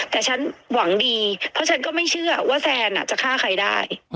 แต่ฉันหวังดีเพราะฉันก็ไม่เชื่อว่าแซนจะฆ่าใครได้